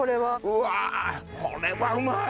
うわこれはうまい！